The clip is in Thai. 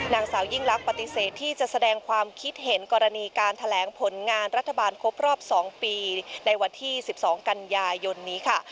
นางสาวยิ่งลักษณ์ปฏิเสธที่จะแสดงความคิดเห็นกรณีการแถลงผลงานรัฐบาลครบรอบ๒ปีในวันที่๑๒กันยายนนี้ค่ะ